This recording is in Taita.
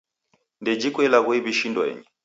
Dejhiko ilagho iw'ishi ndoenyi